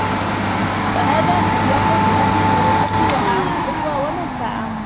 فَهَذَا أَلْيَقُ بِأَهْلِ الْمُرُوءَةِ وَأَعَمُّ جَدْوَى وَمَنْفَعَةً